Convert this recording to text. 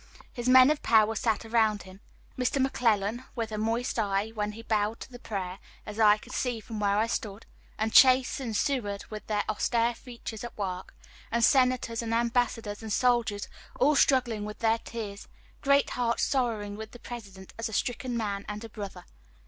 His men of power sat around him McClellan, with a moist eye when he bowed to the prayer, as I could see from where I stood; and Chase and Seward, with their austere features at work; and senators, and ambassadors, and soldiers, all struggling with their tears great hearts sorrowing with the President as a stricken man and a brother.